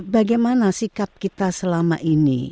bagaimana sikap kita selama ini